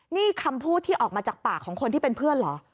นี่คำพูดที่ออกมาจากปากของคนที่เป็นเพื่อนเหรอ